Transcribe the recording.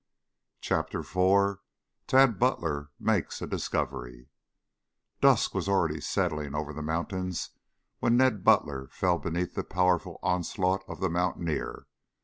CHAPTER IV TAD BUTLER MAKES A DISCOVERY Dusk was already settling over the mountains when Ned Butler fell beneath the powerful onslaught of the mountaineer.